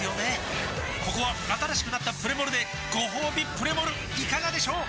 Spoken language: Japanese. ここは新しくなったプレモルでごほうびプレモルいかがでしょう？